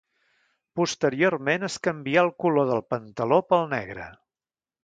Posteriorment es canvià el color del pantaló pel negre.